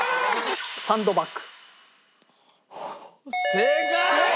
正解！